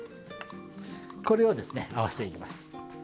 これをですね合わしていきます。